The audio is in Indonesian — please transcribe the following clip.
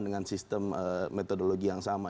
dengan sistem metodologi yang sama